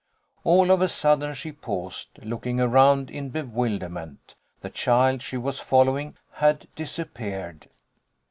All of a sudden she paused, looking around in bewilderment. The child she was following had disappeared.